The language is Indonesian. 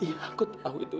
iya aku tau itu